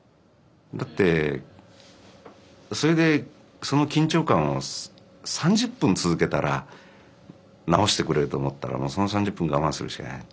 だってそれでその緊張感を３０分続けたら直してくれると思ったらもうその３０分我慢するしかない。